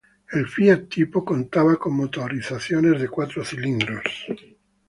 El Fiat Tipo contaba con motorizaciones de cuatro cilindros.